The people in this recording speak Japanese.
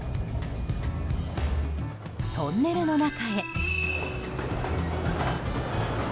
トンネルの中へ。